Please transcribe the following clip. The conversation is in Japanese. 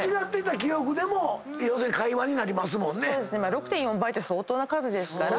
６．４倍って相当な数ですから。